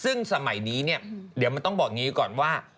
ซึ่งสมัยนี้เนี่ยเดี๋ยวมันต้องบอกอย่างนี้ก่อนว่า